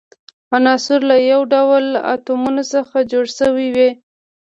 عنصر له یو ډول اتومونو څخه جوړ شوی وي.